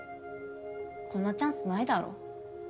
こんなチャンスないだろ？